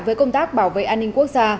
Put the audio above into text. với công tác bảo vệ an ninh quốc gia